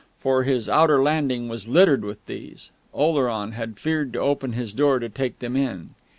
For his outer landing was littered with these. Oleron had feared to open his door to take them in.